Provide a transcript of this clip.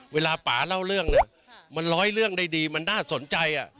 ป่าเล่าเรื่องเนี่ยมันร้อยเรื่องได้ดีมันน่าสนใจ